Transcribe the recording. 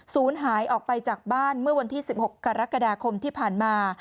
หายออกไปจากบ้านเมื่อวันที่๑๖กรกฎาคมที่ผ่านมา